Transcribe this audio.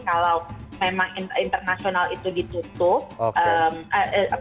kalau memang internasional itu ditutup